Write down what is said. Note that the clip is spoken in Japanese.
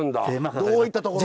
どういったところが。